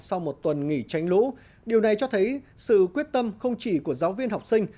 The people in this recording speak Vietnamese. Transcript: sau một tuần nghỉ tránh lũ điều này cho thấy sự quyết tâm không chỉ của giáo viên học sinh